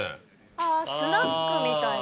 あスナックみたいな。